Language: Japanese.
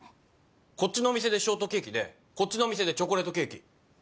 こっちのお店でショートケーキでこっちのお店でチョコレートケーキ。